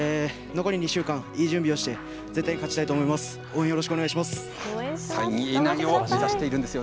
残り２週間、いい準備をして絶対勝ちたいと思います。